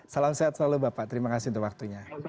salam sehat selalu bapak terima kasih untuk waktunya